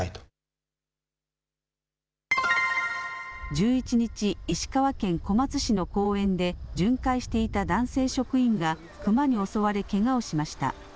１１日、石川県小松市の公園で、巡回していた男性職員がクマに襲われけがをしました。